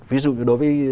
ví dụ như đối với